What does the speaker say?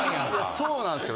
そうなんすよ。